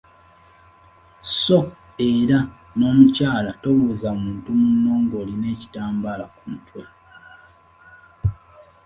So era n’omukyala tobuuza muntu munno ng’olina ekitambaala ku mutwe.